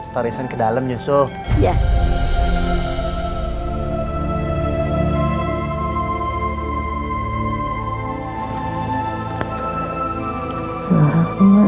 tarisan ke dalam yusuf